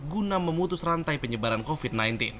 guna memutus rantai penyebaran covid sembilan belas